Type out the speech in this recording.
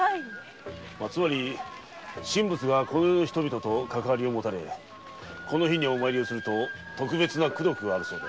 つまり神仏がこの世の人々とかかわりを持たれこの日にお参りすると特別な功徳があると。